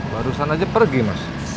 barusan aja pergi mas